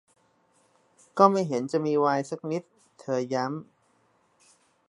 'ก็ไม่เห็นจะมีไวน์สักนิด' เธอย้ำ